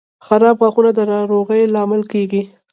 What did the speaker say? • خراب غاښونه د ناروغۍ لامل کیږي.